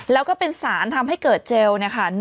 แล้วก็เป็นสารทำให้เกิดเจล๑๒